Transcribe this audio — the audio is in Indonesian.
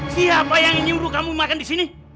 siapa yang nyuruh kamu makan di sini